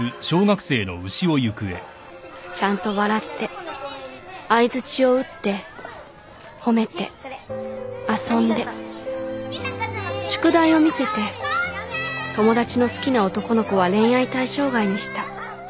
ちゃんと笑って相づちを打って褒めて遊んで宿題を見せて友達の好きな男の子は恋愛対象外にした